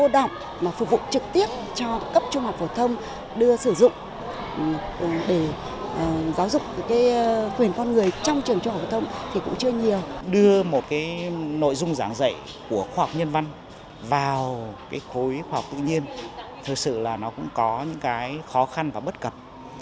đưa một cái nội dung giảng dạy của khoa học nhân văn vào cái khối khoa học tự nhiên thật sự là nó cũng có những cái khó khăn và bất cập